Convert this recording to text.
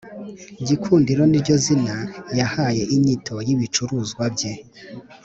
gikundiro niryo zina yahaye inyito y’ibicuruzwa bye.